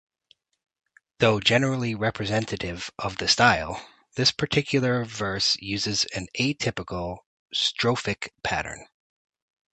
Though generally representative of the style, this particular verse uses an atypical strophic pattern.